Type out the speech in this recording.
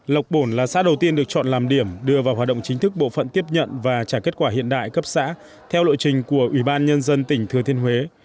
lộc bổn là xã đầu tiên được chọn làm điểm đưa vào hoạt động chính thức bộ phận tiếp nhận và trả kết quả hiện đại cấp xã theo lộ trình của ủy ban nhân dân tỉnh thừa thiên huế